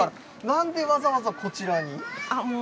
なんでわざわざこちらに？